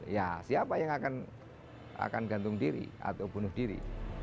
ya siapa yang akan gantung diri atau bunuh diri